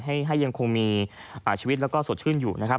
ให้ยังคงมีชีวิตแล้วก็สดชื่นอยู่นะครับ